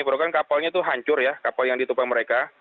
program kapalnya itu hancur ya kapal yang ditumpang mereka